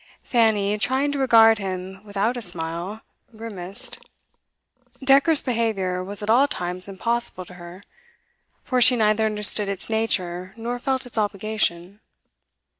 Fanny, trying to regard him without a smile, grimaced; decorous behaviour was at all times impossible to her, for she neither understood its nature nor felt its obligation.